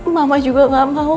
mama juga gak mau